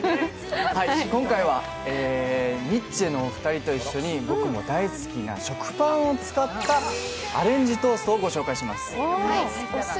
今回はニッチェのお二人と一緒に僕の大好きな食パンを使ったアレンジトーストをご紹介します。